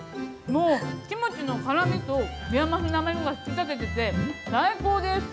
キムチの辛みとビワマスの甘みが引き立ってて最高です。